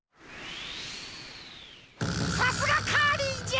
さすがカーリーじゃ！